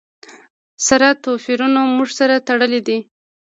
سره توپیرونو موږ سره تړلي یو.